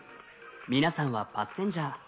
皆さんはパッセンジャー。